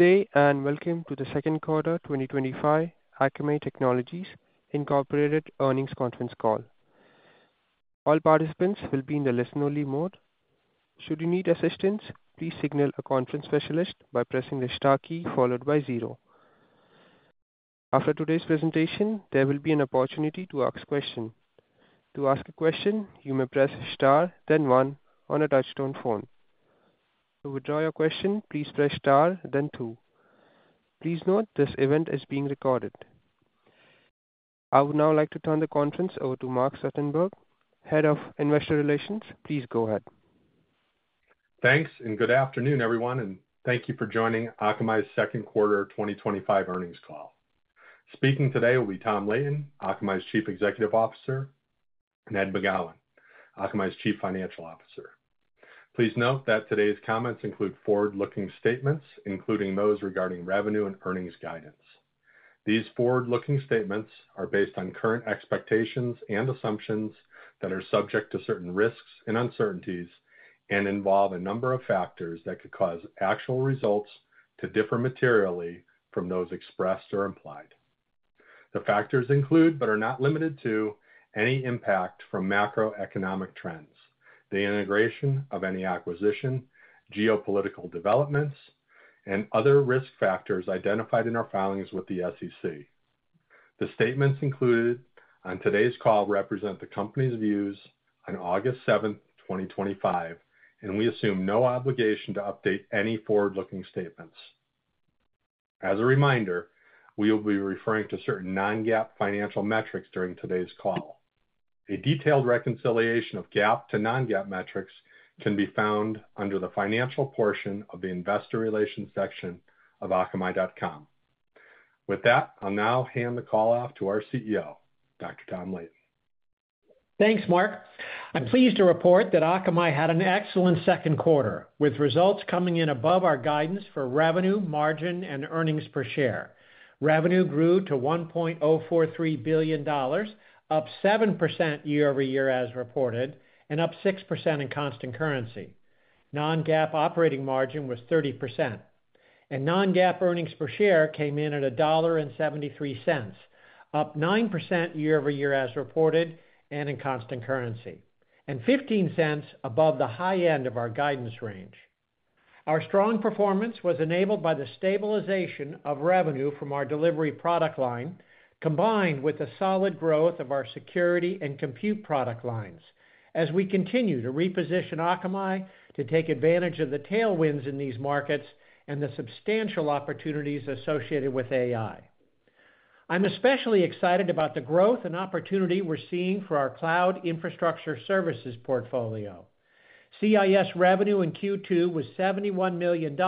Today, and welcome to the second quarter 2025 Akamai Technologies Incorporated earnings conference call. All participants will be in the listen-only mode. Should you need assistance, please signal a conference specialist by pressing the star key followed by zero. After today's presentation, there will be an opportunity to ask a question. To ask a question, you may press star, then one on a touch-tone phone. To withdraw your question, please press star, then two. Please note this event is being recorded. I would now like to turn the conference over to Mark Stoutenberg, Head of Investor Relations. Please go ahead. Thanks, and good afternoon, everyone, and thank you for joining Akamai's second quarter 2025 earnings call. Speaking today will be Dr. Tom Leighton, Akamai's Chief Executive Officer, and Ed McGowan, Akamai's Chief Financial Officer. Please note that today's comments include forward-looking statements, including those regarding revenue and earnings guidance. These forward-looking statements are based on current expectations and assumptions that are subject to certain risks and uncertainties and involve a number of factors that could cause actual results to differ materially from those expressed or implied. The factors include, but are not limited to, any impact from macroeconomic trends, the integration of any acquisition, geopolitical developments, and other risk factors identified in our filings with the SEC. The statements included on today's call represent the company's views on August 7th, 2025, and we assume no obligation to update any forward-looking statements. As a reminder, we will be referring to certain non-GAAP financial metrics during today's call. A detailed reconciliation of GAAP to non-GAAP metrics can be found under the financial portion of the Investor Relations section of akamai.com. With that, I'll now hand the call off to our CEO, Dr. Tom Leighton. Thanks, Mark. I'm pleased to report that Akamai had an excellent second quarter, with results coming in above our guidance for revenue, margin, and earnings per share. Revenue grew to $1.043 billion, up 7% year-over-year as reported, and up 6% in constant currency. Non-GAAP operating margin was 30%, and non-GAAP earnings per share came in at $1.73, up 9% year-over-year as reported and in constant currency, and $0.15 above the high end of our guidance range. Our strong performance was enabled by the stabilization of revenue from our delivery product line, combined with the solid growth of our security and compute product lines as we continue to reposition Akamai to take advantage of the tailwinds in these markets and the substantial opportunities associated with AI. I'm especially excited about the growth and opportunity we're seeing for our Cloud Infrastructure Services portfolio. CIS revenue in Q2 was $71 million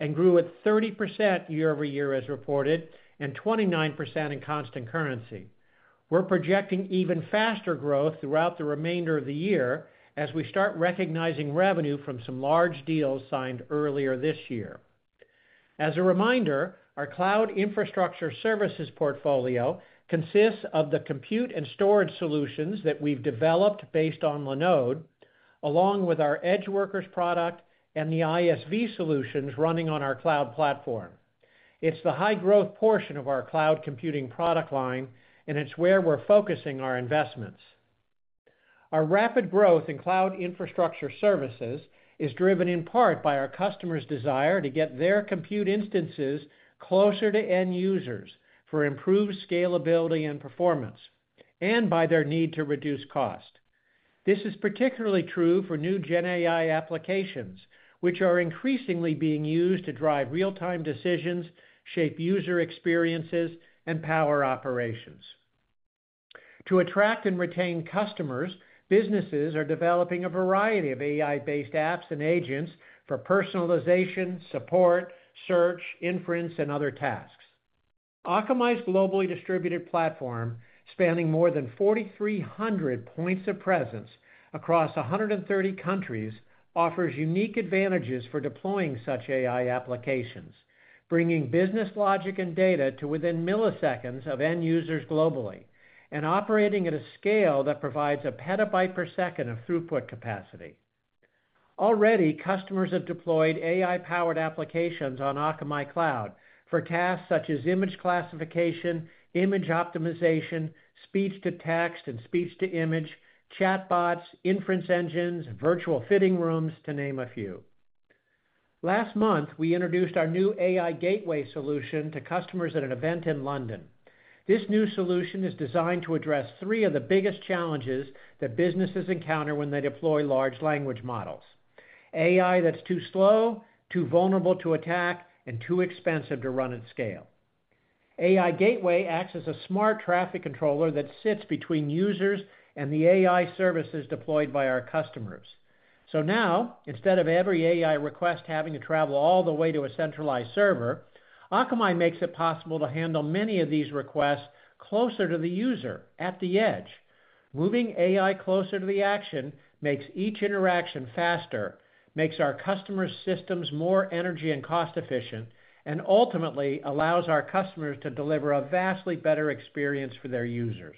and grew at 30% year-over-year as reported, and 29% in constant currency. We're projecting even faster growth throughout the remainder of the year as we start recognizing revenue from some large deals signed earlier this year. As a reminder, our Cloud Infrastructure Services portfolio consists of the compute and storage solutions that we've developed based on Linode, along with our EdgeWorkers product and the ISV offerings running on our cloud platform. It's the high-growth portion of our cloud computing product line, and it's where we're focusing our investments. Our rapid growth in Cloud Infrastructure Services is driven in part by our customers' desire to get their compute instances closer to end users for improved scalability and performance, and by their need to reduce cost. This is particularly true for new GenAI applications, which are increasingly being used to drive real-time decisions, shape user experiences, and power operations. To attract and retain customers, businesses are developing a variety of AI-based apps and agents for personalization, support, search, inference, and other tasks. Akamai's globally distributed platform, spanning more than 4,300 points of presence across 130 countries, offers unique advantages for deploying such AI applications, bringing business logic and data to within milliseconds of end users globally and operating at a scale that provides a petabyte per second of throughput capacity. Already, customers have deployed AI-powered applications on Akamai Cloud for tasks such as image classification, image optimization, speech-to-text and speech-to-image, chatbots, inference engines, virtual fitting rooms, to name a few. Last month, we introduced our new AI Gateway solution to customers at an event in London. This new solution is designed to address three of the biggest challenges that businesses encounter when they deploy large language models: AI that's too slow, too vulnerable to attack, and too expensive to run at scale. AI Gateway acts as a smart traffic controller that sits between users and the AI services deployed by our customers. Now, instead of every AI request having to travel all the way to a centralized server, Akamai makes it possible to handle many of these requests closer to the user, at the edge. Moving AI closer to the action makes each interaction faster, makes our customers' systems more energy and cost-efficient, and ultimately allows our customers to deliver a vastly better experience for their users.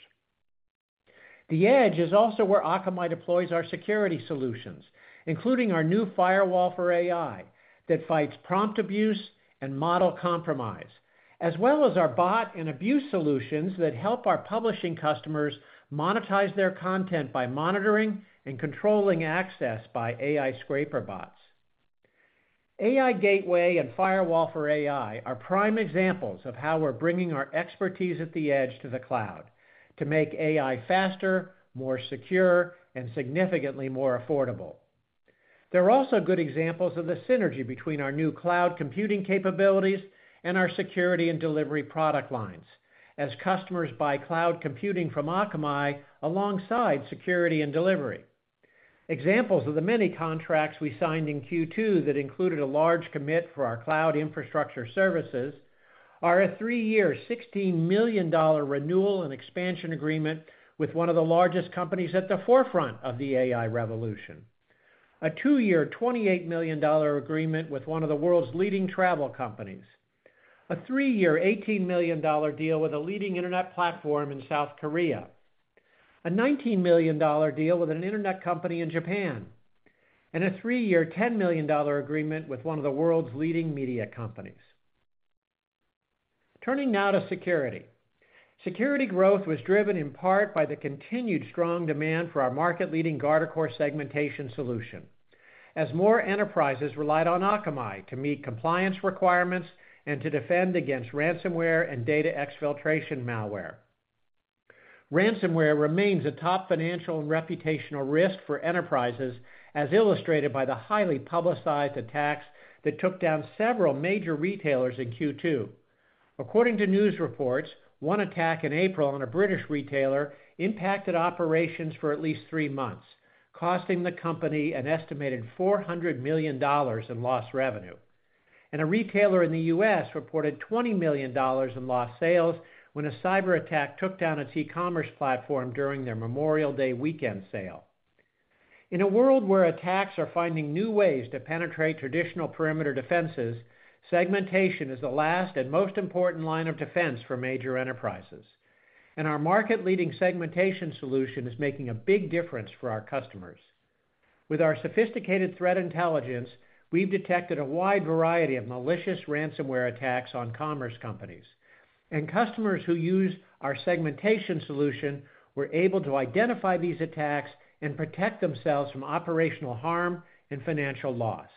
The edge is also where Akamai deploys our security solutions, including our new Firewall for AI that fights prompt abuse and model compromise, as well as our bot and abuse solutions that help our publishing customers monetize their content by monitoring and controlling access by AI scraper bots. AI Gateway and Firewall for AI are prime examples of how we're bringing our expertise at the edge to the cloud to make AI faster, more secure, and significantly more affordable. They're also good examples of the synergy between our new cloud computing capabilities and our security and delivery product lines, as customers buy cloud computing from Akamai alongside security and delivery. Examples of the many contracts we signed in Q2 that included a large commit for our Cloud Infrastructure Services are a three-year, $16 million renewal and expansion agreement with one of the largest companies at the forefront of the AI revolution, a two-year, $28 million agreement with one of the world's leading travel companies, a three-year, $18 million deal with a leading internet platform in South Korea, a $19 million deal with an internet company in Japan, and a three-year, $10 million agreement with one of the world's leading media companies. Turning now to security. Security growth was driven in part by the continued strong demand for our market-leading Guardicore Segmentation solution, as more enterprises relied on Akamai to meet compliance requirements and to defend against ransomware and data exfiltration malware. Ransomware remains a top financial and reputational risk for enterprises, as illustrated by the highly publicized attacks that took down several major retailers in Q2. According to news reports, one attack in April on a British retailer impacted operations for at least three months, costing the company an estimated $400 million in lost revenue. A retailer in the U.S. reported $20 million in lost sales when a cyber attack took down its e-commerce platform during their Memorial Day weekend sale. In a world where attacks are finding new ways to penetrate traditional perimeter defenses, segmentation is the last and most important line of defense for major enterprises. Our market-leading segmentation solution is making a big difference for our customers. With our sophisticated threat intelligence, we've detected a wide variety of malicious ransomware attacks on commerce companies. Customers who use our segmentation solution were able to identify these attacks and protect themselves from operational harm and financial loss.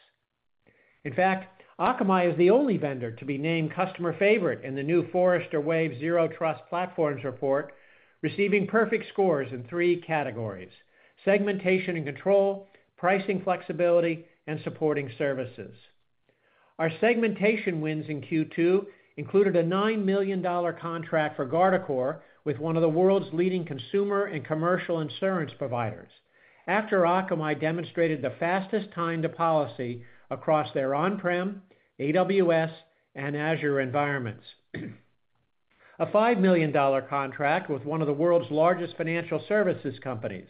In fact, Akamai is the only vendor to be named customer favorite in the new Forrester Wave Zero Trust Platforms report, receiving perfect scores in three categories: segmentation and control, pricing flexibility, and supporting services. Our segmentation wins in Q2 included a $9 million contract for Guardicore with one of the world's leading consumer and commercial insurance providers, after Akamai demonstrated the fastest time to policy across their on-prem, AWS, and Azure environments. A $5 million contract with one of the world's largest financial services companies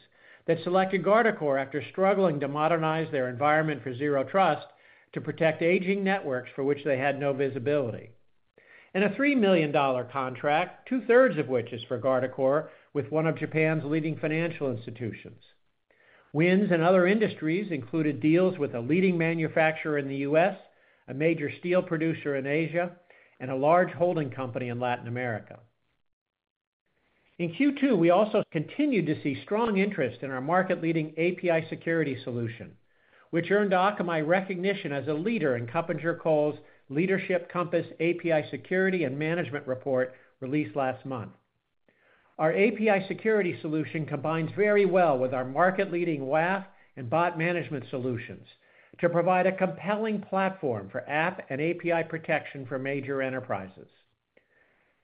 that selected Guardicore after struggling to modernize their environment for Zero Trust to protect aging networks for which they had no visibility. A $3 million contract, two-thirds of which is for Guardicore, with one of Japan's leading financial institutions. Wins in other industries included deals with a leading manufacturer in the U.S., a major steel producer in Asia, and a large holding company in Latin America. In Q2, we also continued to see strong interest in our market-leading API Security solution, which earned Akamai recognition as a leader in KuppingerCole's Leadership Compass API Security and Management report released last month. Our API Security solution combines very well with our market-leading WAF and bot management solutions to provide a compelling platform for app and API protection for major enterprises.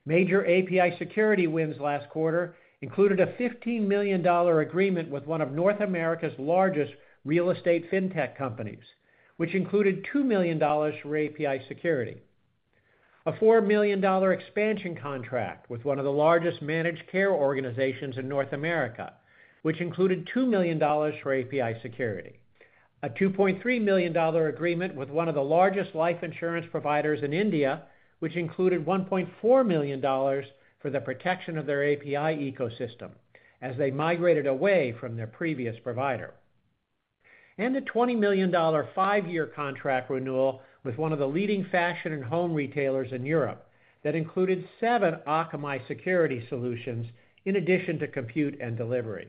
Major API Security wins last quarter included a $15 million agreement with one of North America's largest real estate fintech companies, which included $2 million for API Security. A $4 million expansion contract with one of the largest managed care organizations in North America, which included $2 million for API Security. A $2.3 million agreement with one of the largest life insurance providers in India, which included $1.4 million for the protection of their API ecosystem as they migrated away from their previous provider. A $20 million five-year contract renewal with one of the leading fashion and home retailers in Europe included seven Akamai security solutions in addition to compute and delivery.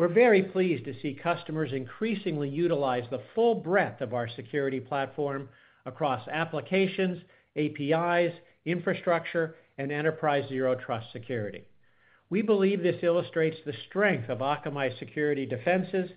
We're very pleased to see customers increasingly utilize the full breadth of our security platform across applications, APIs, infrastructure, and enterprise Zero Trust security. We believe this illustrates the strength of Akamai's security defenses,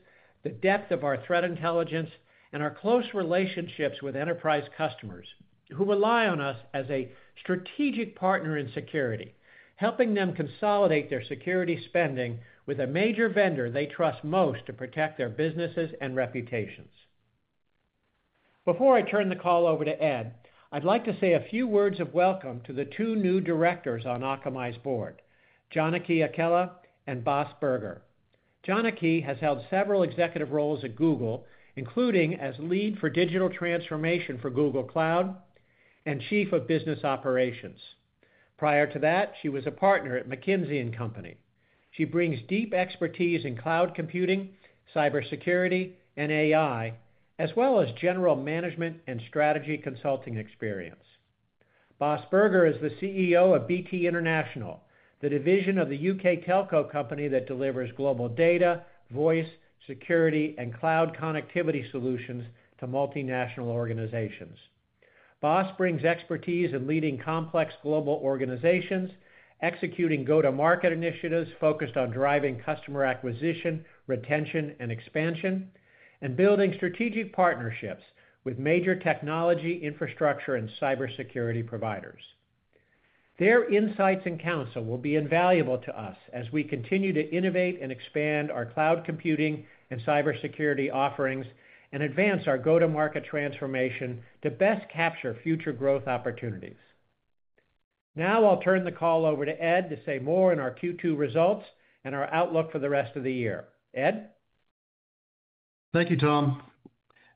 the depth of our threat intelligence, and our close relationships with enterprise customers who rely on us as a strategic partner in security, helping them consolidate their security spending with a major vendor they trust most to protect their businesses and reputations. Before I turn the call over to Ed, I'd like to say a few words of welcome to the two new directors on Akamai's board: Janaki Akella and Bas Burger. Janaki has held several executive roles at Google, including as Lead for Digital Transformation for Google Cloud and Chief of Business Operations. Prior to that, she was a Partner at McKinsey & Company. She brings deep expertise in cloud computing, cybersecurity, and AI, as well as general management and strategy consulting experience. Bas Burger is the CEO of BT International, the division of the U.K. Telco company that delivers global data, voice, security, and cloud connectivity solutions to multinational organizations. Bas brings expertise in leading complex global organizations, executing go-to-market initiatives focused on driving customer acquisition, retention, and expansion, and building strategic partnerships with major technology, infrastructure, and cybersecurity providers. Their insights and counsel will be invaluable to us as we continue to innovate and expand our cloud computing and cybersecurity offerings and advance our go-to-market transformation to best capture future growth opportunities. Now, I'll turn the call over to Ed to say more on our Q2 results and our outlook for the rest of the year. Ed? Thank you, Tom.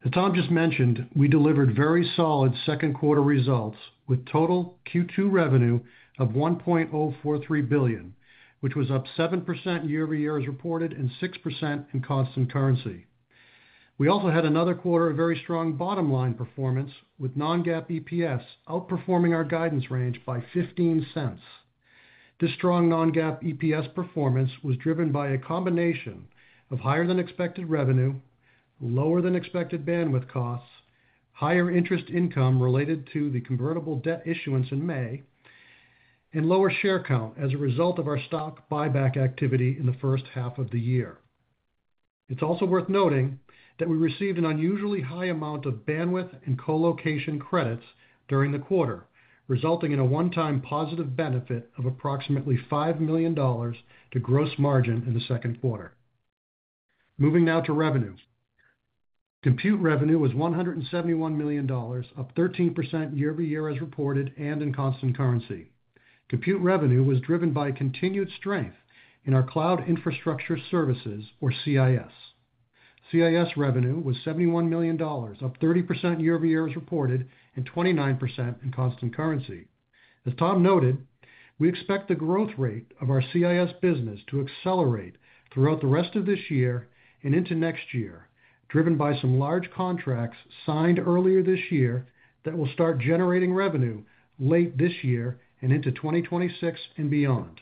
As Tom just mentioned, we delivered very solid second quarter results with total Q2 revenue of $1.043 billion, which was up 7% year-over-year as reported and 6% in constant currency. We also had another quarter of very strong bottom-line performance with non-GAAP EPS outperforming our guidance range by $0.15. This strong non-GAAP EPS performance was driven by a combination of higher-than-expected revenue, lower-than-expected bandwidth costs, higher interest income related to the convertible debt issuance in May, and lower share count as a result of our stock buyback activity in the first half of the year. It's also worth noting that we received an unusually high amount of bandwidth and colocation credits during the quarter, resulting in a one-time positive benefit of approximately $5 million to gross margin in the second quarter. Moving now to revenue. Compute revenue was $171 million, up 13% year-over-year as reported and in constant currency. Compute revenue was driven by continued strength in our Cloud Infrastructure Services, or CIS. CIS revenue was $71 million, up 30% year-over-year as reported and 29% in constant currency. As Tom noted, we expect the growth rate of our CIS business to accelerate throughout the rest of this year and into next year, driven by some large contracts signed earlier this year that will start generating revenue late this year and into 2026 and beyond.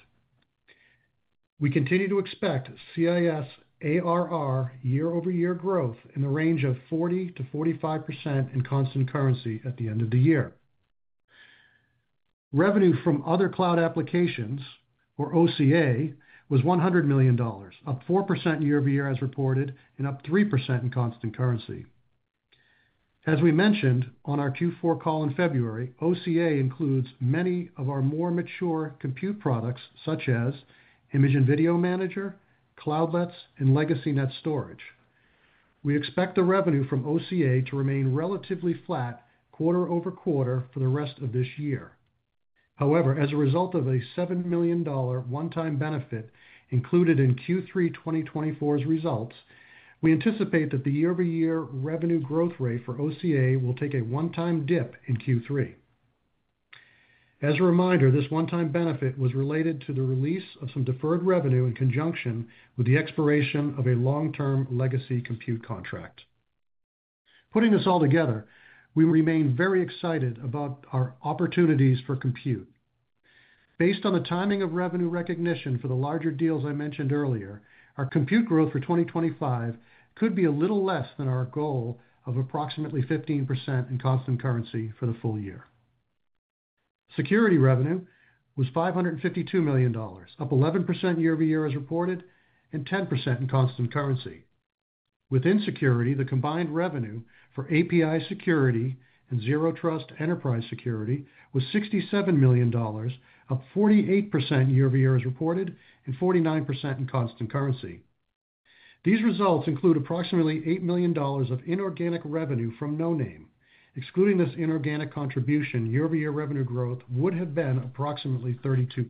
We continue to expect CIS ARR year-over-year growth in the range of 40%-45% in constant currency at the end of the year. Revenue from other cloud applications, or OCA, was $100 million, up 4% year-over-year as reported and up 3% in constant currency. As we mentioned on our Q4 call in February, OCA includes many of our more mature compute products such as Image & Video Manager, Cloudlets, and LegacyNet Storage. We expect the revenue from OCA to remain relatively flat quarter over quarter for the rest of this year. However, as a result of a $7 million one-time benefit included in Q3 2024's results, we anticipate that the year-over-year revenue growth rate for OCA will take a one-time dip in Q3. As a reminder, this one-time benefit was related to the release of some deferred revenue in conjunction with the expiration of a long-term legacy compute contract. Putting this all together, we remain very excited about our opportunities for compute. Based on the timing of revenue recognition for the larger deals I mentioned earlier, our compute growth for 2025 could be a little less than our goal of approximately 15% in constant currency for the full year. Security revenue was $552 million, up 11% year-over-year as reported and 10% in constant currency. Within security, the combined revenue for API Security and Zero Trust enterprise security was $67 million, up 48% year-over-year as reported and 49% in constant currency. These results include approximately $8 million of inorganic revenue from Noname Security. Excluding this inorganic contribution, year-over-year revenue growth would have been approximately 32%.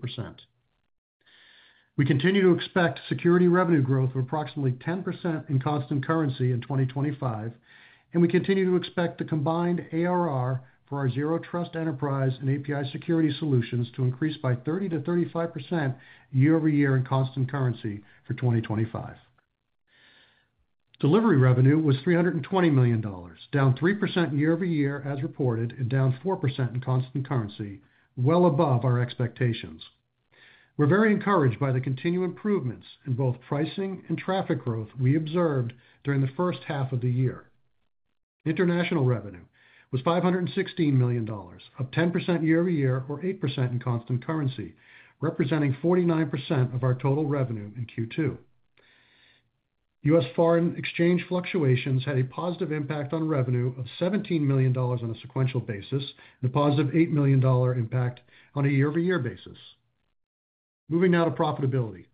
We continue to expect security revenue growth of approximately 10% in constant currency in 2025, and we continue to expect the combined ARR for our Zero Trust enterprise and API Security solutions to increase by 30%-5% year-over-year in constant currency for 2025. Delivery revenue was $320 million, down 3% year-over-year as reported and down 4% in constant currency, well above our expectations. We're very encouraged by the continued improvements in both pricing and traffic growth we observed during the first half of the year. International revenue was $516 million, up 10% year-over-year or 8% in constant currency, representing 49% of our total revenue in Q2. U.S. foreign exchange fluctuations had a positive impact on revenue of $17 million on a sequential basis and a positive $8 million impact on a year-over-year basis. Moving now to profitability.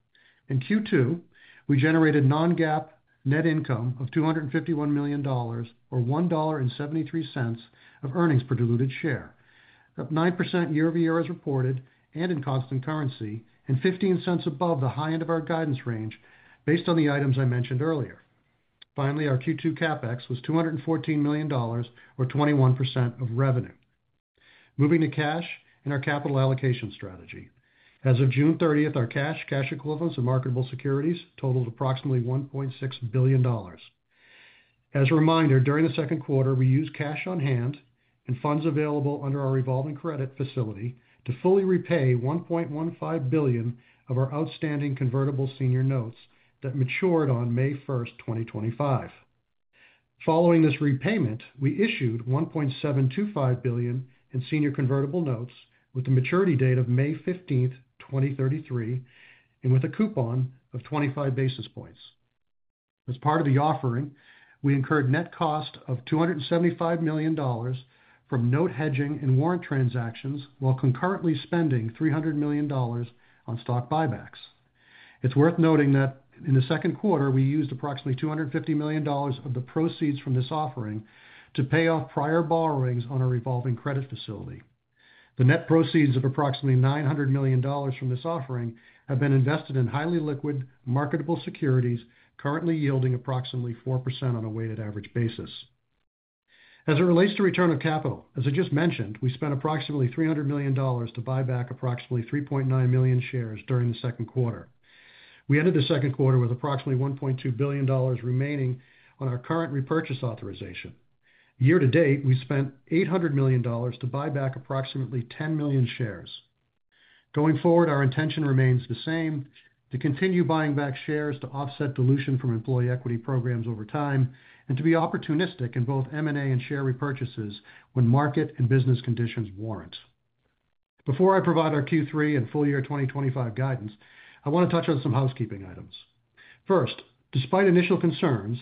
In Q2, we generated non-GAAP net income of $251 million, or $1.73 of earnings per diluted share, up 9% year-over-year as reported and in constant currency, and $0.15 above the high end of our guidance range based on the items I mentioned earlier. Finally, our Q2 CapEx was $214 million, or 21% of revenue. Moving to cash and our capital allocation strategy. As of June 30, our cash, cash equivalents, and marketable securities totaled approximately $1.6 billion. As a reminder, during the second quarter, we used cash on hand and funds available under our revolving credit facility to fully repay $1.15 billion of our outstanding convertible senior notes that matured on May 1, 2025. Following this repayment, we issued $1.725 billion in senior convertible notes with the maturity date of May 15, 2033, and with a coupon of 25 basis points. As part of the offering, we incurred net cost of $275 million from note hedging and warrant transactions while concurrently spending $300 million on stock buybacks. It's worth noting that in the second quarter, we used approximately $250 million of the proceeds from this offering to pay off prior borrowings on our revolving credit facility. The net proceeds of approximately $900 million from this offering have been invested in highly liquid marketable securities, currently yielding approximately 4% on a weighted average basis. As it relates to return of capital, as I just mentioned, we spent approximately $300 million to buy back approximately 3.9 million shares during the second quarter. We ended the second quarter with approximately $1.2 billion remaining on our current repurchase authorization. Year to date, we spent $800 million to buy back approximately 10 million shares. Going forward, our intention remains the same: to continue buying back shares to offset dilution from employee equity programs over time and to be opportunistic in both M&A and share repurchases when market and business conditions warrant. Before I provide our Q3 and full-year 2025 guidance, I want to touch on some housekeeping items. First, despite initial concerns,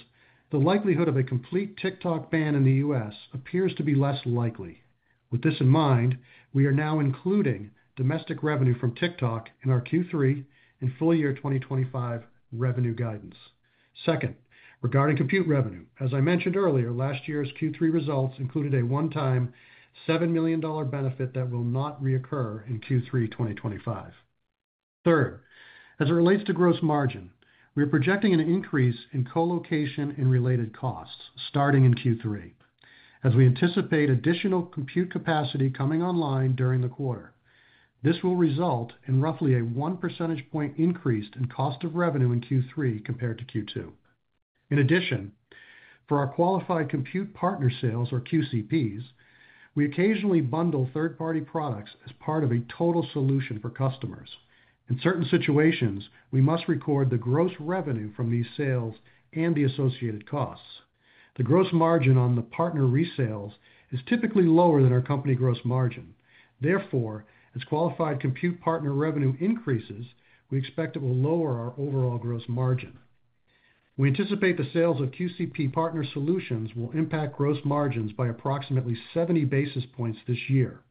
the likelihood of a complete TikTok ban in the U.S. appears to be less likely. With this in mind, we are now including domestic revenue from TikTok in our Q3 and full-year 2025 revenue guidance. Second, regarding compute revenue, as I mentioned earlier, last year's Q3 results included a one-time $7 million benefit that will not reoccur in Q3 2025. Third, as it relates to gross margin, we are projecting an increase in colocation and related costs starting in Q3, as we anticipate additional compute capacity coming online during the quarter. This will result in roughly a 1% increase in cost of revenue in Q3 compared to Q2. In addition, for our qualified compute partner sales, or QCPs, we occasionally bundle third-party products as part of a total solution for customers. In certain situations, we must record the gross revenue from these sales and the associated costs. The gross margin on the partner resales is typically lower than our company gross margin. Therefore, as qualified compute partner revenue increases, we expect it will lower our overall gross margin. We anticipate the sales of QCP partner solutions will impact gross margins by approximately 70 basis points this year.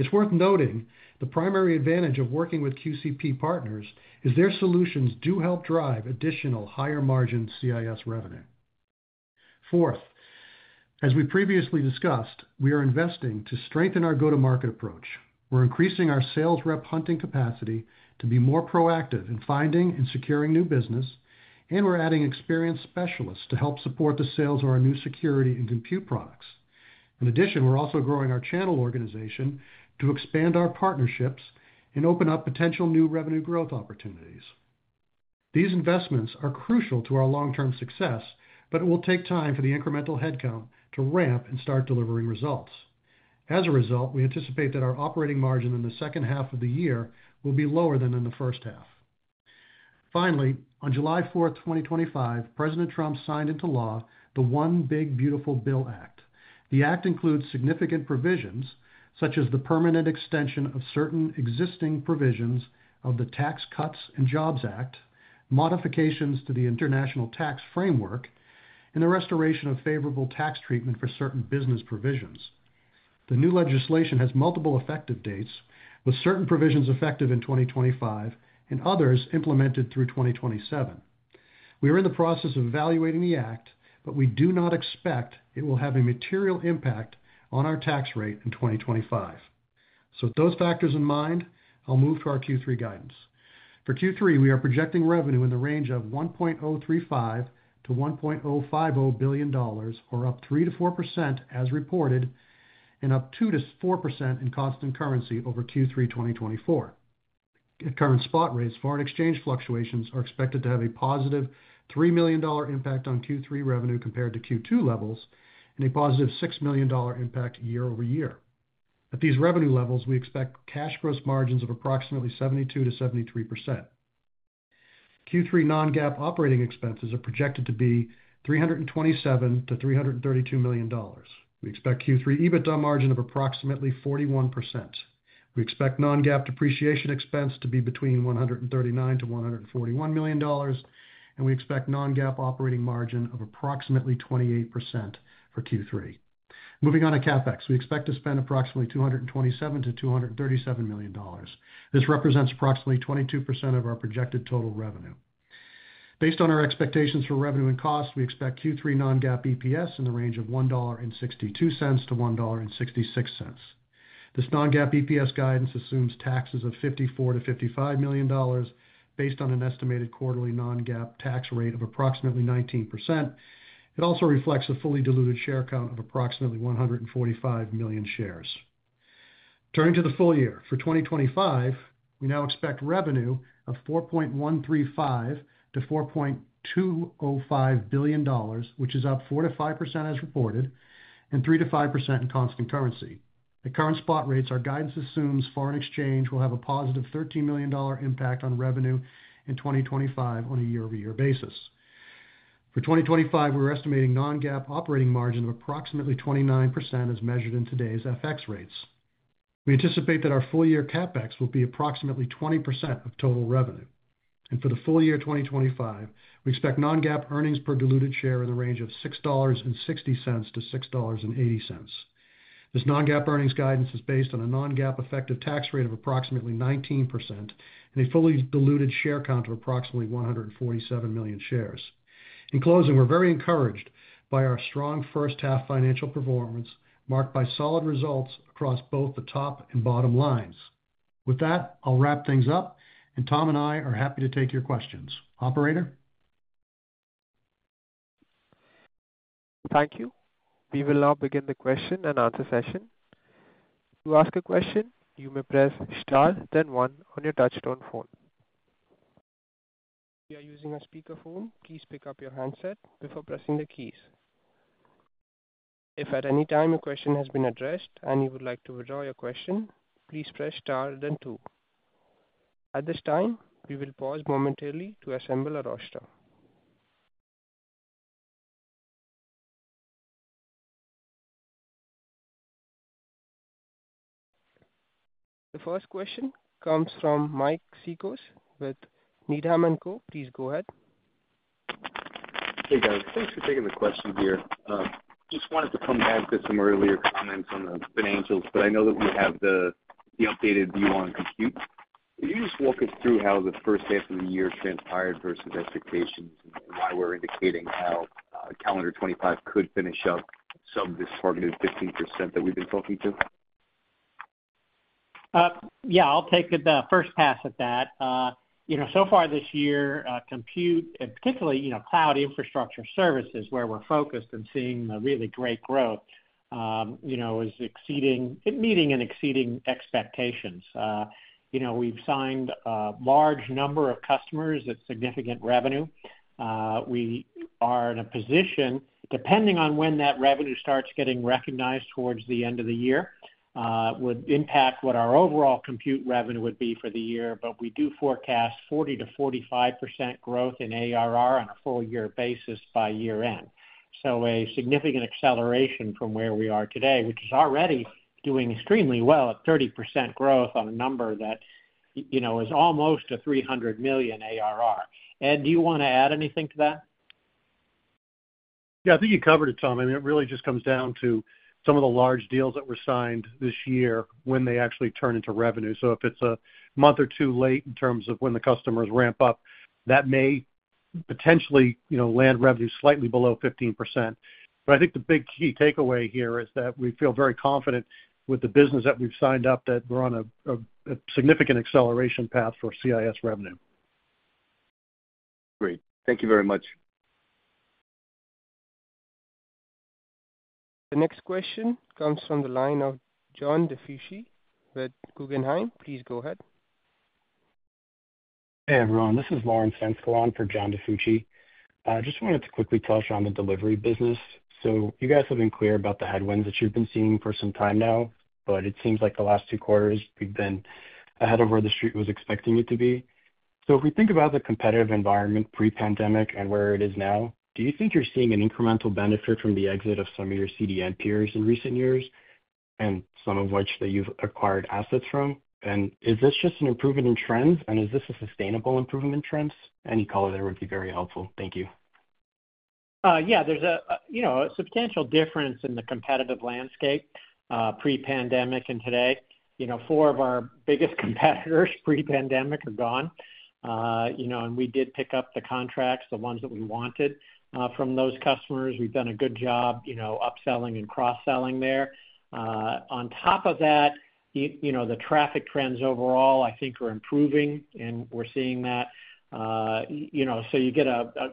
It's worth noting the primary advantage of working with QCP partners is their solutions do help drive additional higher margin CIS revenue. Fourth, as we previously discussed, we are investing to strengthen our go-to-market approach. We're increasing our sales rep hunting capacity to be more proactive in finding and securing new business, and we're adding experienced specialists to help support the sales of our new security and compute products. In addition, we're also growing our channel organization to expand our partnerships and open up potential new revenue growth opportunities. These investments are crucial to our long-term success, but it will take time for the incremental headcount to ramp and start delivering results. As a result, we anticipate that our operating margin in the second half of the year will be lower than in the first half. Finally, on July 4, 2025, President Trump signed into law the One Big Beautiful Bill Act. The Act includes significant provisions such as the permanent extension of certain existing provisions of the Tax Cuts and Jobs Act, modifications to the International Tax Framework, and the restoration of favorable tax treatment for certain business provisions. The new legislation has multiple effective dates, with certain provisions effective in 2025 and others implemented through 2027. We are in the process of evaluating the Act, but we do not expect it will have a material impact on our tax rate in 2025. With those factors in mind, I'll move to our Q3 guidance. For Q3, we are projecting revenue in the range of $1.035 billion-$1.050 billion, or up 3%-4% as reported and up 2%-4% in constant currency over Q3 2024. Current spot rates foreign exchange fluctuations are expected to have a positive $3 million impact on Q3 revenue compared to Q2 levels and a +$6 million impact year-over-year. At these revenue levels, we expect cash gross margins of approximately 72%-73%. Q3 non-GAAP operating expenses are projected to be $327 million-$332 million. We expect Q3 EBITDA margin of approximately 41%. We expect non-GAAP depreciation expense to be between $139 million-$141 million, and we expect non-GAAP operating margin of approximately 28% for Q3. Moving on to CapEx, we expect to spend approximately $227 million-$237 million. This represents approximately 22% of our projected total revenue. Based on our expectations for revenue and costs, we expect Q3 non-GAAP EPS in the range of $1.62-$1.66. This non-GAAP EPS guidance assumes taxes of $54 million-$55 million based on an estimated quarterly non-GAAP tax rate of approximately 19%. It also reflects a fully diluted share count of approximately 145 million shares. Turning to the full year, for 2025, we now expect revenue of $4.135 billion-$4.205 billion, which is up 4%-5% as reported and 3%-5% in constant currency. At current spot rates, our guidance assumes foreign exchange will have a positive $13 million impact on revenue in 2025 on a year-over-year basis. For 2025, we're estimating non-GAAP operating margin of approximately 29% as measured in today's FX rates. We anticipate that our full-year CapEx will be approximately 20% of total revenue. For the full year 2025, we expect non-GAAP earnings per diluted share in the range of $6.60-$6.80. This non-GAAP earnings guidance is based on a non-GAAP effective tax rate of approximately 19% and a fully diluted share count of approximately 147 million shares. In closing, we're very encouraged by our strong first half financial performance marked by solid results across both the top and bottom lines. With that, I'll wrap things up, and Tom and I are happy to take your questions. Operator? Thank you. We will now begin the question and answer session. To ask a question, you may press star, then one on your touch-tone phone. If you are using a speakerphone, please pick up your handset before pressing the keys. If at any time your question has been addressed and you would like to withdraw your question, please press star, then two. At this time, we will pause momentarily to assemble a roster. The first question comes from Mike Sikos with Needham & Co. Please go ahead. Hey, guys. Thanks for taking the question. I just wanted to come back to add to some earlier comments on the financials. I know that we have the updated D1 compute. Could you just walk us through how the first half of the year transpired versus expectations and how we're indicating how calendar 2025 could finish up sub this targeted 15% that we've been talking to? Yeah, I'll take the first pass at that. You know, so far this year, compute and particularly, you know, Cloud Infrastructure Services where we're focused and seeing really great growth, you know, is exceeding, meeting and exceeding expectations. You know, we've signed a large number of customers at significant revenue. We are in a position, depending on when that revenue starts getting recognized towards the end of the year, would impact what our overall compute revenue would be for the year. We do forecast 40%-45% growth in ARR on a full-year basis by year-end. A significant acceleration from where we are today, which is already doing extremely well at 30% growth on a number that, you know, is almost a $300 million ARR. Ed, do you want to add anything to that? Yeah, I think you covered it, Tom. I mean, it really just comes down to some of the large deals that were signed this year when they actually turn into revenue. If it's a month or two late in terms of when the customers ramp up, that may potentially, you know, land revenue slightly below 15%. I think the big key takeaway here is that we feel very confident with the business that we've signed up that we're on a significant acceleration path for CIS revenue. Great. Thank you very much. The next question comes from the line of John Difucci with Guggenheim. Please go ahead. Hey, everyone. This is Lauren Senskelon for John Difucci. I just wanted to quickly touch on the delivery business. You guys have been clear about the headwinds that you've been seeing for some time now, but it seems like the last two quarters we've been ahead of where the street was expecting it to be. If we think about the competitive environment pre-pandemic and where it is now, do you think you're seeing an incremental benefit from the exit of some of your CDN peers in recent years, and some of which that you've acquired assets from? Is this just an improvement in trends, and is this a sustainable improvement in trends? Any color there would be very helpful. Thank you. Yeah, there's a substantial difference in the competitive landscape pre-pandemic and today. Four of our biggest competitors pre-pandemic are gone, and we did pick up the contracts, the ones that we wanted from those customers. We've done a good job upselling and cross-selling there. On top of that, the traffic trends overall, I think, are improving, and we're seeing that. You get a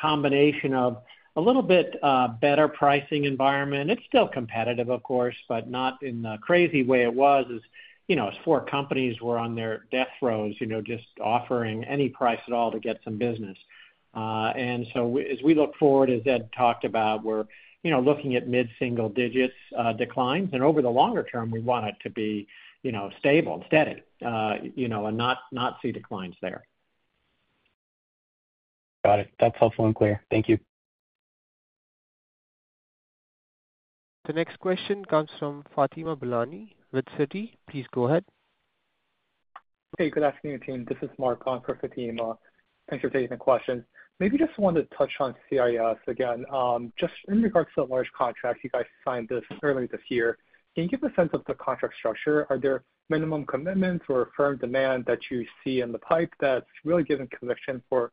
combination of a little bit better pricing environment. It's still competitive, of course, but not in the crazy way it was, as four companies were on their death throes, just offering any price at all to get some business. As we look forward, as Ed McGowan talked about, we're looking at mid-single-digit declines, and over the longer term, we want it to be stable and steady, and not see declines there. Got it. That's helpful and clear. Thank you. The next question comes from Fatima Boolani with Citi. Please go ahead. Hey, good afternoon, team. This is Mohammad Khan for Fatima. Thanks for taking the question. Maybe just want to touch on CIS again. Just in regards to the large contracts you guys signed earlier this year, can you give a sense of the contract structure? Are there minimum commitments or firm demand that you see in the pipeline that's really giving conviction for,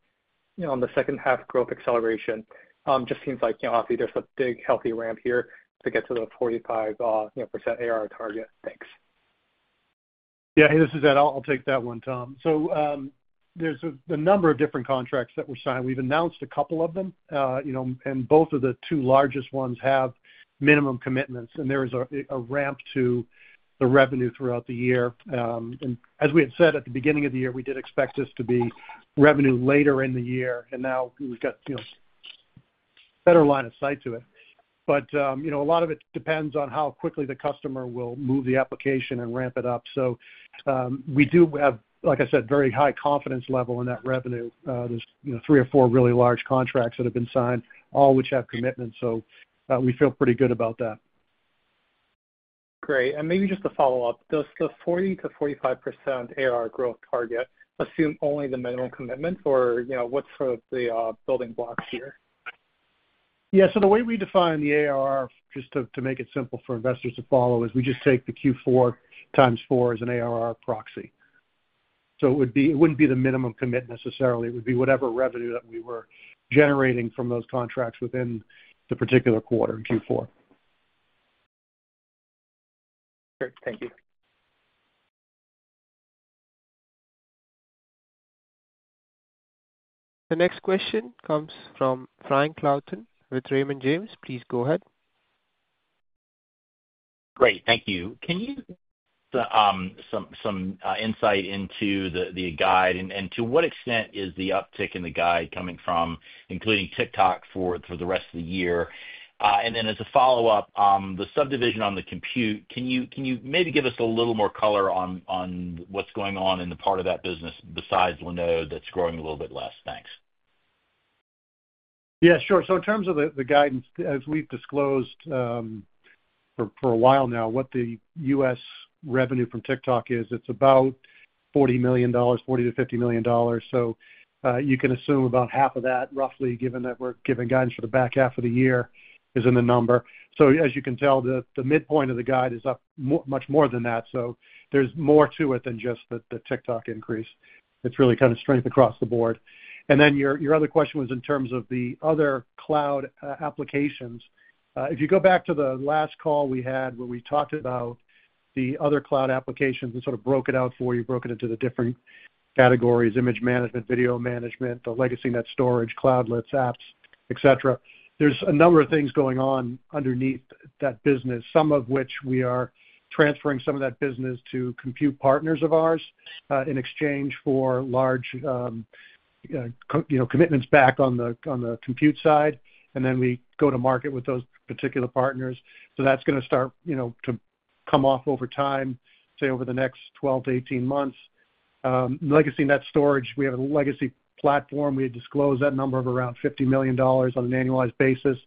you know, on the second half growth acceleration? It just seems like, you know, obviously there's a big healthy ramp here to get to the 45% ARR target. Thanks. Yeah, hey, this is Ed. I'll take that one, Tom. There are a number of different contracts that we're signing. We've announced a couple of them, you know, and both of the two largest ones have minimum commitments, and there is a ramp to the revenue throughout the year. As we had said at the beginning of the year, we did expect this to be revenue later in the year, and now we've got, you know, a better line of sight to it. A lot of it depends on how quickly the customer will move the application and ramp it up. We do have, like I said, very high confidence level in that revenue. There are three or four really large contracts that have been signed, all of which have commitments, so we feel pretty good about that. Great. Maybe just to follow up, does the 40%-45% ARR growth target assume only the minimum commitments, or what's sort of the building blocks here? Yeah, the way we define the ARR, just to make it simple for investors to follow, is we just take the Q4 x4 as an ARR proxy. It wouldn't be the minimum commitment necessarily. It would be whatever revenue that we were generating from those contracts within the particular quarter in Q4. Great. Thank you. The next question comes from Frank Louthan with Raymond James. Please go ahead. Great. Thank you. Can you give us some insight into the guide and to what extent is the uptick in the guide coming from including TikTok for the rest of the year? As a follow-up, the subdivision on the compute, can you maybe give us a little more color on what's going on in the part of that business besides Linode that's growing a little bit less? Thanks. Yeah, sure. In terms of the guidance, as we've disclosed for a while now, what the U.S. revenue from TikTok is, it's about $40 million, $40 million-$50 million. You can assume about half of that, roughly, given that we're giving guidance for the back half of the year, is in the number. As you can tell, the midpoint of the guide is up much more than that. There's more to it than just the TikTok increase. It's really kind of strength across the board. Your other question was in terms of the other cloud applications. If you go back to the last call we had where we talked about the other cloud applications and sort of broke it out for you, broke it into the different categories: image management, video management, the LegacyNet Storage, Cloudlets apps, etc. There's a number of things going on underneath that business, some of which we are transferring some of that business to compute partners of ours in exchange for large commitments back on the compute side. We go to market with those particular partners. That's going to start to come off over time, say over the next 12-18 months. LegacyNet Storage, we have a legacy platform. We had disclosed that number of around $50 million on an annualized basis.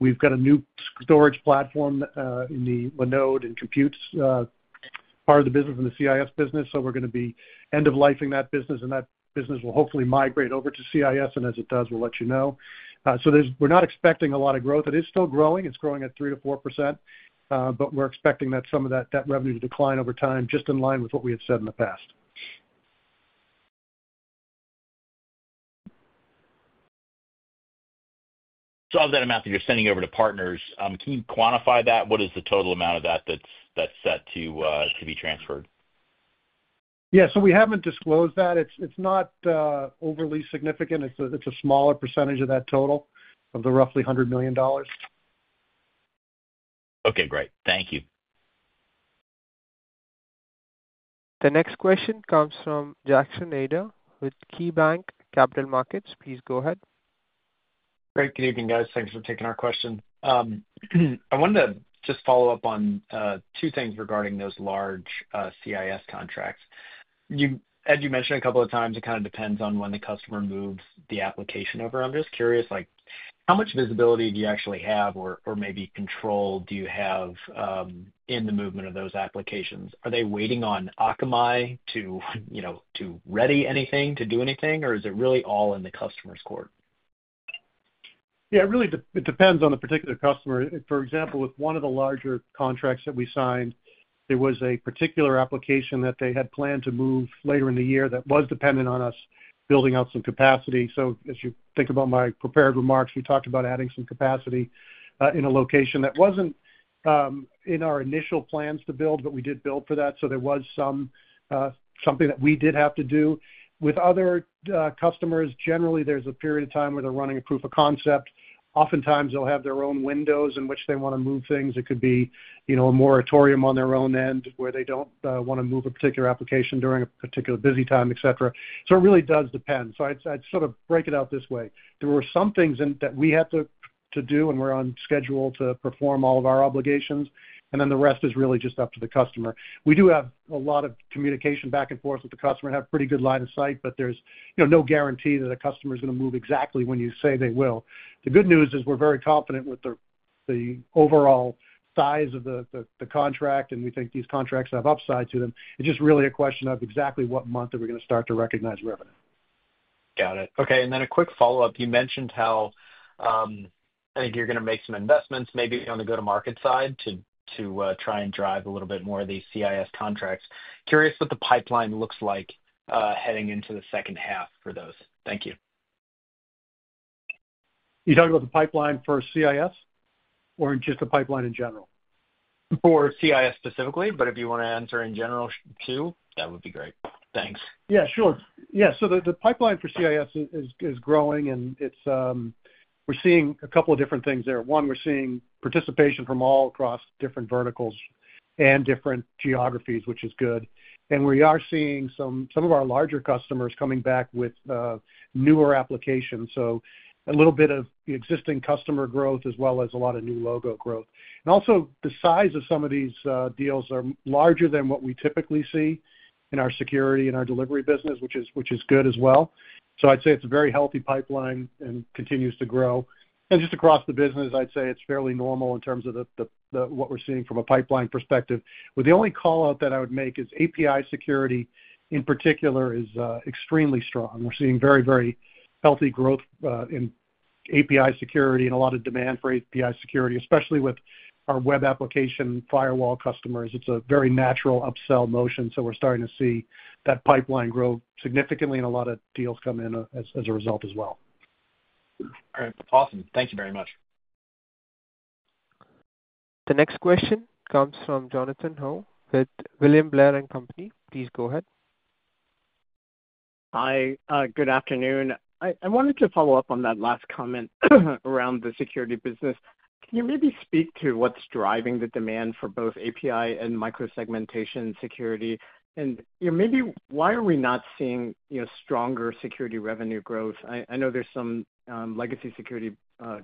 We've got a new storage platform in the Linode and compute part of the business from the CIS business. We're going to be end-of-life in that business, and that business will hopefully migrate over to CIS, and as it does, we'll let you know. We're not expecting a lot of growth. It is still growing. It's growing at 3%-4%, but we're expecting that some of that revenue to decline over time, just in line with what we had said in the past. Of that amount that you're sending over to partners, can you quantify that? What is the total amount of that that's set to be transferred? Yeah, we haven't disclosed that. It's not overly significant. It's a smaller percentage of that total of the roughly $100 million. Okay, great. Thank you. The next question comes from Jackson Ader with KeyBanc Capital Markets. Please go ahead. Great. Good evening, guys. Thanks for taking our question. I wanted to just follow up on two things regarding those large CIS contracts. As you mentioned a couple of times, it kind of depends on when the customer moves the application over. I'm just curious, how much visibility do you actually have or maybe control do you have in the movement of those applications? Are they waiting on Akamai to, you know, to ready anything, to do anything, or is it really all in the customer's court? Yeah, it really depends on the particular customer. For example, with one of the larger contracts that we signed, there was a particular application that they had planned to move later in the year that was dependent on us building out some capacity. As you think about my prepared remarks, we talked about adding some capacity in a location that wasn't in our initial plans to build, but we did build for that. There was something that we did have to do. With other customers, generally, there's a period of time where they're running a proof of concept. Oftentimes, they'll have their own windows in which they want to move things. It could be a moratorium on their own end where they don't want to move a particular application during a particular busy time, etc. It really does depend. I'd sort of break it out this way. There were some things that we had to do when we're on schedule to perform all of our obligations, and then the rest is really just up to the customer. We do have a lot of communication back and forth with the customer and have pretty good line of sight, but there's no guarantee that a customer is going to move exactly when you say they will. The good news is we're very confident with the overall size of the contract, and we think these contracts have upside to them. It's just really a question of exactly what month that we're going to start to recognize revenue. Got it. Okay. A quick follow-up. You mentioned how I think you're going to make some investments maybe on the go-to-market side to try and drive a little bit more of these CIS contracts. Curious what the pipeline looks like heading into the second half for those. Thank you. You talking about the pipeline for CIS or just the pipeline in general? For CIS specifically, but if you want to answer in general too, that would be great. Thanks. Yeah, sure. The pipeline for CIS is growing, and we're seeing a couple of different things there. One, we're seeing participation from all across different verticals and different geographies, which is good. We are seeing some of our larger customers coming back with newer applications, so a little bit of the existing customer growth, as well as a lot of new logo growth. Also, the size of some of these deals are larger than what we typically see in our security and our delivery business, which is good as well. I'd say it's a very healthy pipeline and continues to grow. Across the business, I'd say it's fairly normal in terms of what we're seeing from a pipeline perspective. The only call-out that I would make is API Security in particular is extremely strong. We're seeing very, very healthy growth in API Security and a lot of demand for API Security, especially with our web application firewall customers. It's a very natural upsell motion. We're starting to see that pipeline grow significantly, and a lot of deals come in as a result as well. All right. Awesome. Thank you very much. The next question comes from Jonathan Ho at William Blair & Company. Please go ahead. Hi. Good afternoon. I wanted to follow up on that last comment around the security business. Can you maybe speak to what's driving the demand for both API and microsegmentation security? Maybe why are we not seeing stronger security revenue growth? I know there's some legacy security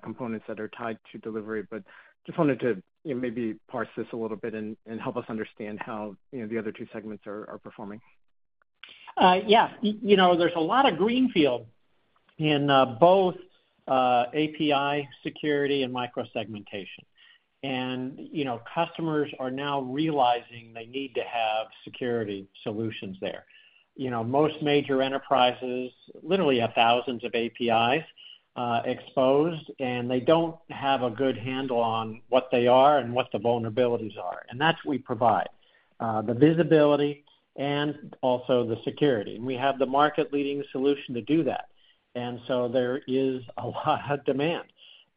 components that are tied to delivery, but I just wanted to maybe parse this a little bit and help us understand how the other two segments are performing. Yeah, you know, there's a lot of greenfield in both API Security and microsegmentation. Customers are now realizing they need to have security solutions there. Most major enterprises literally have thousands of APIs exposed, and they don't have a good handle on what they are and what the vulnerabilities are. That's what we provide: the visibility and also the security. We have the market-leading solution to do that, so there is a lot of demand.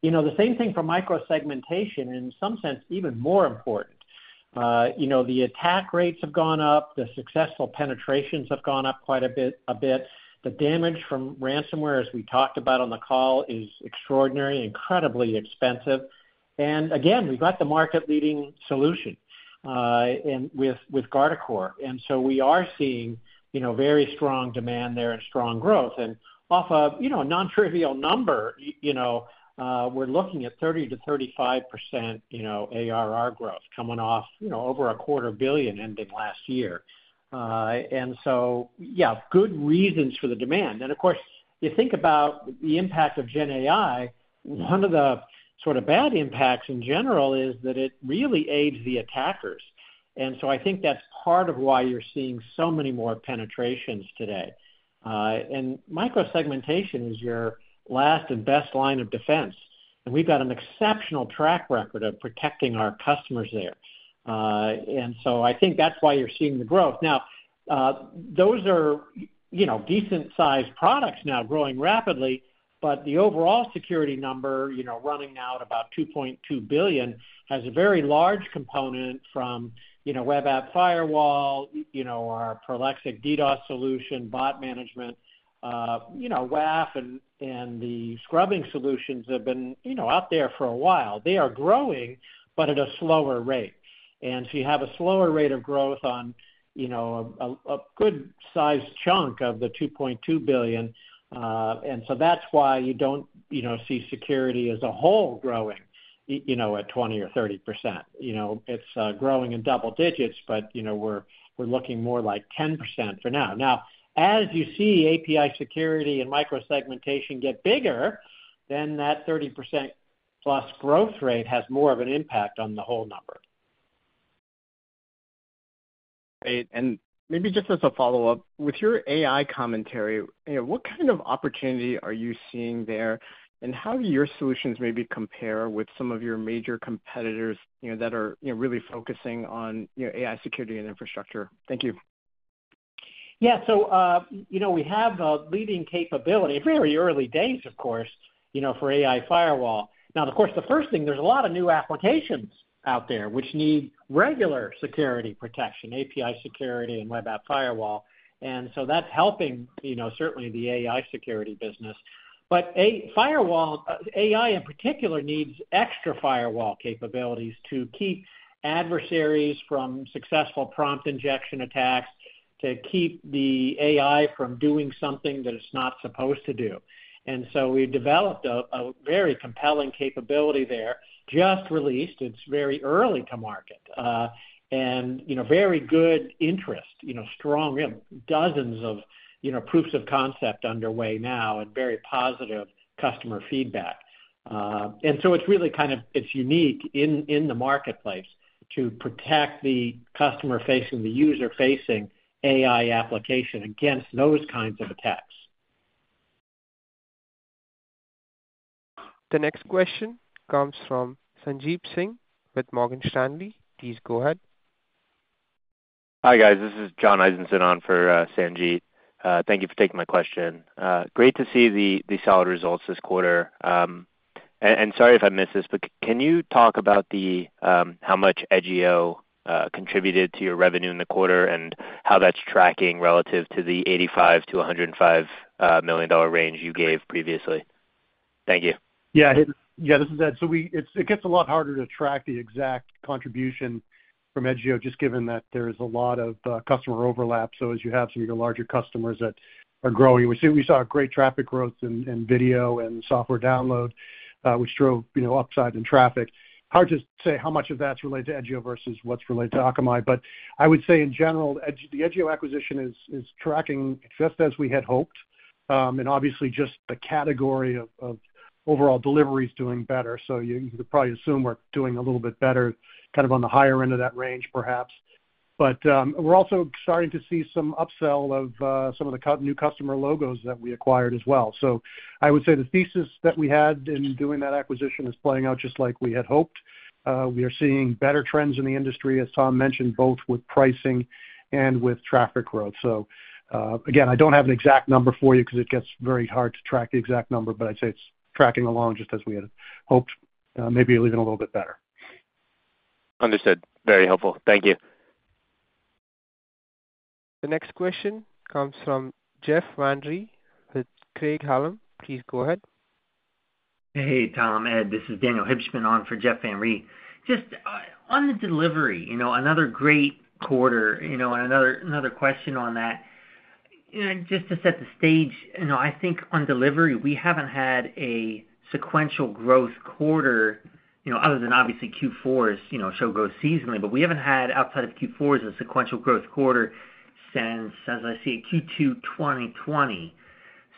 The same thing for microsegmentation, in some sense, even more important. The attack rates have gone up. The successful penetrations have gone up quite a bit. The damage from ransomware, as we talked about on the call, is extraordinary, incredibly expensive. We've got the market-leading solution with Guardicore Segmentation. We are seeing very strong demand there and strong growth. Off a non-trivial number, we're looking at 30%-35% ARR growth coming off over a quarter billion ending last year. Good reasons for the demand. Of course, you think about the impact of GenAI. One of the sort of bad impacts in general is that it really aids the attackers. I think that's part of why you're seeing so many more penetrations today. Microsegmentation is your last and best line of defense. We've got an exceptional track record of protecting our customers there. I think that's why you're seeing the growth. Now, those are decent-sized products now growing rapidly, but the overall security number, running at about $2.2 billion, has a very large component from web app firewall, our Prolexic DDoS solution, bot management, WAF, and the scrubbing solutions have been out there for a while. They are growing, but at a slower rate. You have a slower rate of growth on a good-sized chunk of the $2.2 billion. That's why you don't see security as a whole growing at 20%-30%. It's growing in double digits, but we're looking more like 10% for now. As you see API Security and microsegmentation get bigger, then that 30%+ growth rate has more of an impact on the whole number. With your AI commentary, what kind of opportunity are you seeing there? How do your solutions maybe compare with some of your major competitors that are really focusing on AI security and infrastructure? Thank you. Yeah, so, you know, we have a leading capability, very early days, of course, for Firewall for AI. Now, of course, the first thing, there's a lot of new applications out there which need regular security protection, API Security, and web app firewall. That's helping, certainly, the AI security business. Firewall for AI in particular needs extra firewall capabilities to keep adversaries from successful prompt injection attacks, to keep the AI from doing something that it's not supposed to do. We developed a very compelling capability there, just released. It's very early to market, and very good interest, strong, dozens of proofs of concept underway now, and very positive customer feedback. It's really kind of unique in the marketplace to protect the customer-facing, the user-facing AI application against those kinds of attacks. The next question comes from Sanjit Singh with Morgan Stanley. Please go ahead. Hi, guys. This is John Eisenson on for Sanjit. Thank you for taking my question. Great to see the solid results this quarter. Sorry if I missed this, but can you talk about how much Edgeo contributed to your revenue in the quarter and how that's tracking relative to the $85 million-$105 million range you gave previously? Thank you. Yeah, this is Ed. It gets a lot harder to track the exact contribution from Edgeo, just given that there's a lot of customer overlap. As you have some of your larger customers that are growing, we saw great traffic growth in video and software download, which drove upside in traffic. Hard to say how much of that's related to Edgeo versus what's related to Akamai. I would say in general, the Edgeo acquisition is tracking just as we had hoped. Obviously, the category of overall delivery is doing better. You could probably assume we're doing a little bit better, kind of on the higher end of that range, perhaps. We're also starting to see some upsell of some of the new customer logos that we acquired as well. I would say the thesis that we had in doing that acquisition is playing out just like we had hoped. We are seeing better trends in the industry, as Tom mentioned, both with pricing and with traffic growth. I don't have an exact number for you because it gets very hard to track the exact number, but I'd say it's tracking along just as we had hoped, maybe even a little bit better. Understood. Very helpful. Thank you. The next question comes from Jeff Van Rie with Craig-Hallum. Please go ahead. Hey, Tom. Ed, this is Daniel Hibschman on for Jeff Van Rie. Just on the delivery, another great quarter, and another question on that. Just to set the stage, I think on delivery, we haven't had a sequential growth quarter, other than obviously Q4s show growth seasonally, but we haven't had outside of Q4s a sequential growth quarter since, as I see it, Q2 2020.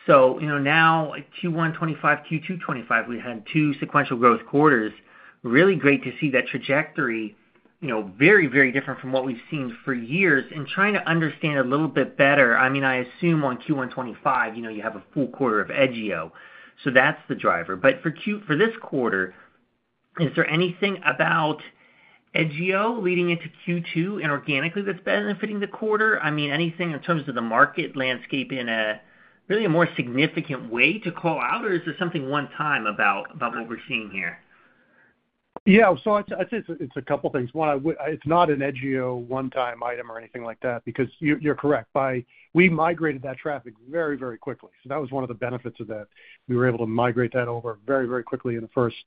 Now Q1 2025, Q2 2025, we had two sequential growth quarters. Really great to see that trajectory, very, very different from what we've seen for years and trying to understand a little bit better. I mean, I assume on Q1 2025, you have a full quarter of Edgeo, so that's the driver. For this quarter, is there anything about Edgeo leading into Q2 and organically that's benefiting the quarter? Anything in tems of the market landscape in a really more significant way to call out, or is it something one-time about what we're seeing here? Yeah, I'd say it's a couple of things. One, it's not an Edgeo one-time item or anything like that because you're correct. We migrated that traffic very, very quickly. That was one of the benefits of that. We were able to migrate that over very, very quickly in the first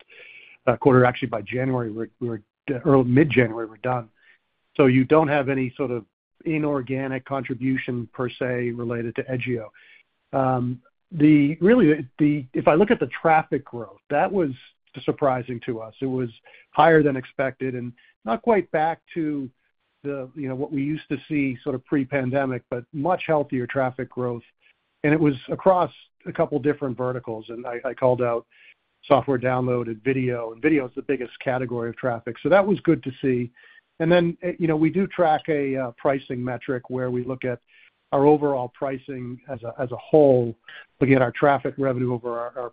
quarter. Actually, by January, early to mid-January, we were done. You don't have any sort of inorganic contribution per se related to Edgeo. Really, if I look at the traffic growth, that was surprising to us. It was higher than expected and not quite back to what we used to see pre-pandemic, but much healthier traffic growth. It was across a couple of different verticals. I called out software download and video. Video is the biggest category of traffic, so that was good to see. We do track a pricing metric where we look at our overall pricing as a whole, looking at our traffic revenue over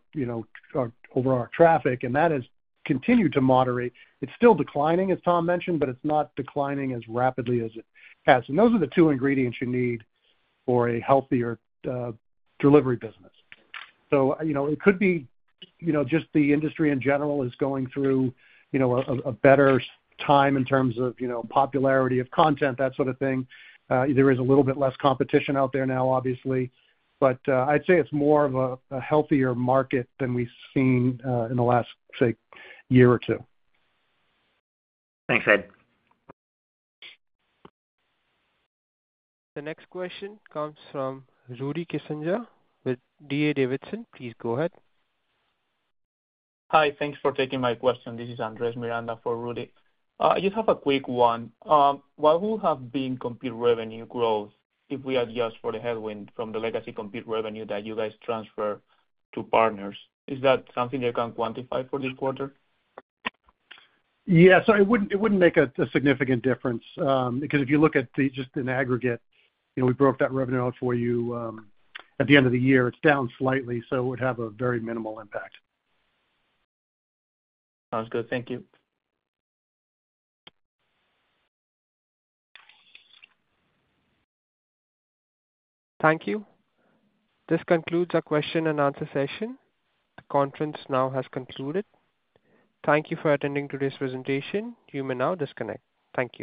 our traffic. That has continued to moderate. It's still declining, as Tom mentioned, but it's not declining as rapidly as it has. Those are the two ingredients you need for a healthier delivery business. It could be just the industry in general is going through a better time in terms of popularity of content, that sort of thing. There is a little bit less competition out there now, obviously. I'd say it's more of a healthier market than we've seen in the last year or two. Thanks, Ed. The next question comes from Rudi Kissanja with D.A. Davidson. Please go ahead. Hi. Thanks for taking my question. This is Andres Miranda for Rudi. I just have a quick one. What will have been compute revenue growth if we adjust for the headwind from the legacy compute revenue that you guys transfer to partners? Is that something you can quantify for this quarter? Yeah, it wouldn't make a significant difference because if you look at just an aggregate, we broke that revenue out for you at the end of the year. It's down slightly, so it would have a very minimal impact. Sounds good. Thank you. Thank you. This concludes our question-and-answer session. The conference now has concluded. Thank you for attending today's presentation. You may now disconnect. Thank you.